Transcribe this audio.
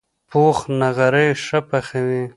پوخ نغری ښه پخوي